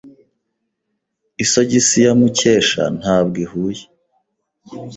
Isogisi ya Mukesha ntabwo ihuye.